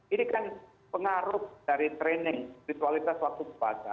ini kan pengaruh dari training visualitas waktu kebaca